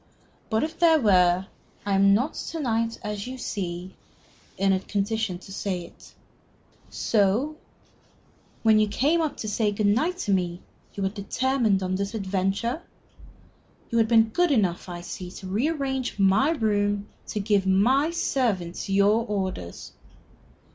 "But if there were, I am not to night, as you see, in a condition to say it. So when you came up to say good night to me you had determined on this adventure? You had been good enough, I see, to rearrange my room to give my servants your orders."